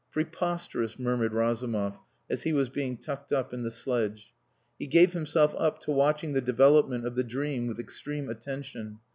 "Preposterous," murmured Razumov, as he was being tucked up in the sledge. He gave himself up to watching the development of the dream with extreme attention.